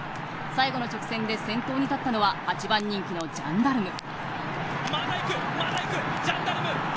最後の直線で先頭に立ったのは８番人気のジャンダルム。